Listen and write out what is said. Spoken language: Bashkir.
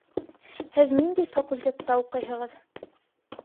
Һеҙ ниндәй факультетта уҡыйһығыҙ?